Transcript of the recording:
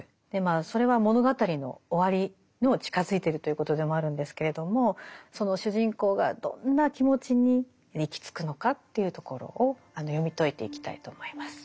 それは物語の終わりにも近づいてるということでもあるんですけれども主人公がどんな気持ちに行き着くのかというところを読み解いていきたいと思います。